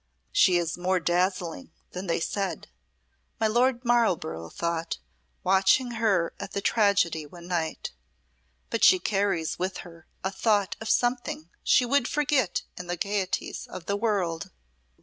"She is more dazzling than they said," my Lord Marlborough thought, watching her at the tragedy one night, "but she carries with her a thought of something she would forget in the gayeties of the world."